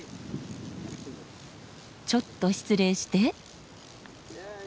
ちょっと失礼して。